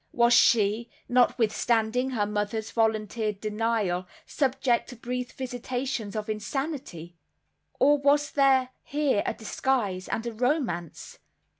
Was she, notwithstanding her mother's volunteered denial, subject to brief visitations of insanity; or was there here a disguise and a romance?